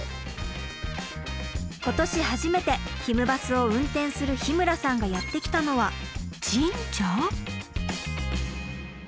今年初めてひむバスを運転する日村さんがやって来たのは神社？